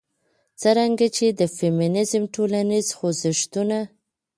څرنګه چې د فيمنيزم ټولنيز خوځښتونه